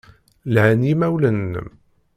Lhan yimawlan-nnem.